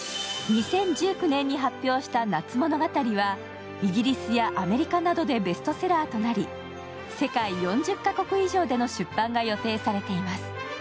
２０１９年に発表した「夏物語」はイギリスやアメリカなどでベストセラーとなり、世界４０カ国以上での出版が予定されています。